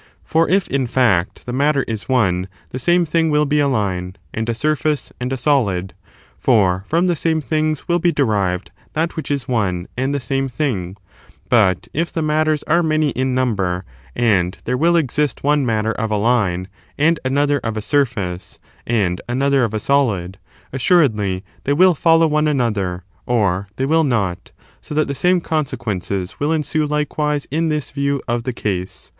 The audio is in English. For if, in &kct, the matter is one, the same thing will be a line, and a sur&ce, and a solid, for from the same things will be derived that which is one and the same thing : but if the matters are many in number, and there will exist one matter of a line, and another of a surface, and another of a solid, assuredly, they will follojv one another, or they will not ; so that the same consequences will ensue likewise in this view of the case.